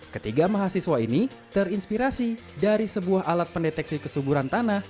ketiga mahasiswa ini terinspirasi dari sebuah alat pendeteksi kesuburan tanah